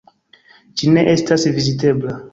Ĝi ne estas vizitebla.